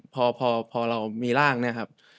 พอเรามีร่างเนี่ยครับ